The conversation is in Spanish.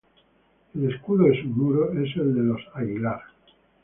El escudo de sus muros es el de los Aguilar.